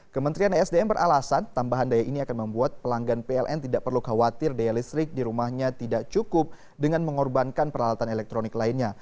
kementerian esdm beralasan tambahan daya ini akan membuat pelanggan pln tidak perlu khawatir daya listrik di rumahnya tidak cukup dengan mengorbankan peralatan elektronik lainnya